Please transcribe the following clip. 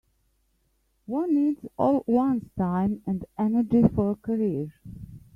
One needs all one's time and energy for a career.